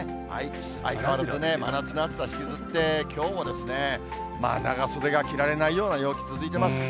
相変わらず、真夏の暑さ引きずって、長袖が着られないような陽気続いてます。